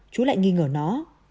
chú lại nghi ngờ nó